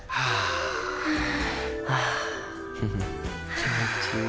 気持ちいい。